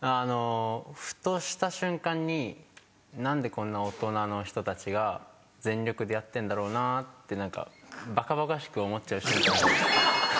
ふとした瞬間に「何でこんな大人の人たちが全力でやってんだろうな」ってばかばかしく思っちゃう瞬間が。